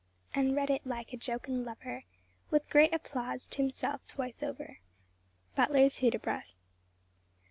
And read it like a jocund lover, With great applause t' himself twice over." BUTLER'S HUDIBRAS.